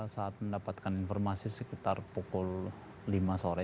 saat mendapatkan informasi sekitar pukul lima sore